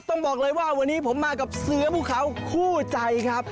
ต้องบอกเลยว่าวันนี้ผมมากับเสื้อพวกเขาคู่ใจครับ